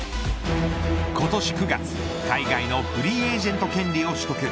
今年９月、海外のフリーエージェント権利を取得。